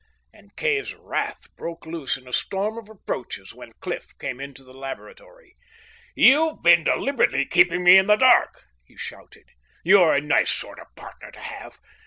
And Kay's wrath broke loose in a storm of reproaches when Cliff came into the laboratory. "You've been deliberately keeping me in the dark!" he shouted. "You're a nice sort of partner to have!